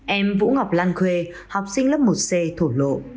em vũ ngọc lan khuê học sinh lớp một c thổ lộ